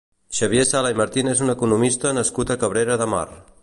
Xavier Sala i Martín és un economista nascut a Cabrera de Mar.